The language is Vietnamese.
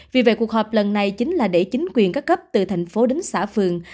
vì vậy cuộc họp lần này chính là để chính quyền các cấp từ thành phố đến xã phường